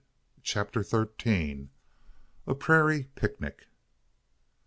CHAPTER THIRTEEN. A PRAIRIE PIC NIC.